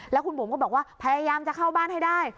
แล้วคุณบุ๋มก็บอกว่าพยายามจะเข้าบ้านให้ได้